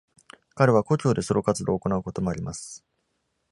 彼は故郷でソロ活動を行うこともあります。